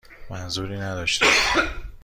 منظوری نداشتم.